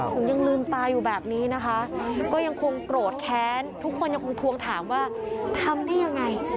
ถึงยังลืมตาอยู่แบบนี้นะคะก็ยังคงโกรธแค้นทุกคนยังคงทวงถามว่าทำได้ยังไง